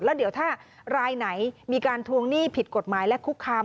แล้วเดี๋ยวถ้ารายไหนมีการทวงหนี้ผิดกฎหมายและคุกคาม